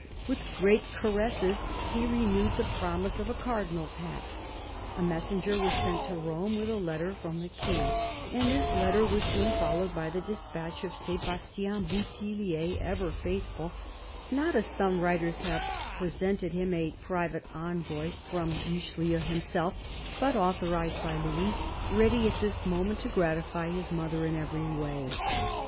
" With great caresses," he renewed the promise of a Cardinal's Hat. A messenger was sent to Rome with a letter from the King ; and this letter was soon followed by the despatch of Sebastien Bouthillier, ever faithful — not, as some writers have preresented him, a private envoy from Richelieu THE BISHOP OF LUgON 127 himself, but authorised by Louis, ready at this moment to gratify his mother in every way.